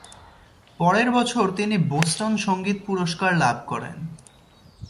পরের বছর তিনি বোস্টন সঙ্গীত পুরস্কার লাভ করেন।